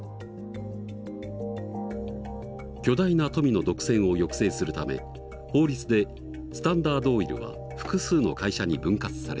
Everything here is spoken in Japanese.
巨大な富の独占を抑制するため法律でスタンダードオイルは複数の会社に分割された。